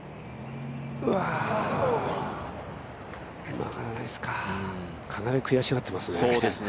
曲がらないですか、かなり悔しがってますね。